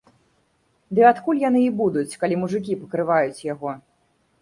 Ды адкуль яны і будуць, калі мужыкі пакрываюць яго?